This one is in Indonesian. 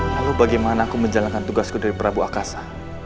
lalu bagaimana aku menjalankan tugasku dari prabu akasa